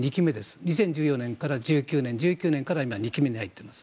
２０１４年から１９年１９年から２期目に入っています。